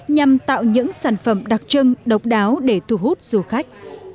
nhằm tạo những sản phẩm đặc trưng độc đáo để thu hút du khách